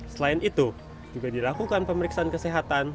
selain itu juga dilakukan pemeriksaan kesehatan